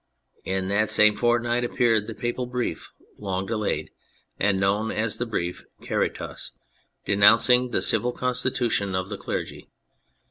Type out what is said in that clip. In that same fort night appeared the papal brief, long delayed, and known as the Brief *' Caritas,^^ denouncing the Civil Constitution of the Clergy.